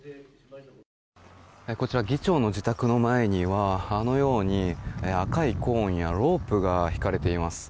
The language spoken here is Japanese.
こちら議長の自宅の前にはあのように赤いコーンやロープが引かれています。